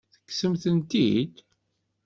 Tekksem-ten-id?